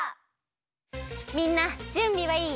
みんなじゅんびはいい？